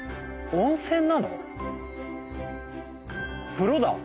風呂だ！